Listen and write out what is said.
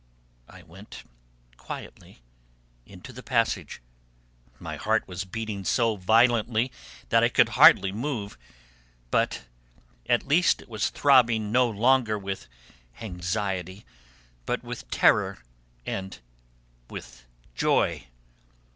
I went quietly into the passage; my heart was beating so violently that I could hardly move, but at least it was throbbing no longer with anxiety, but with terror and with joy.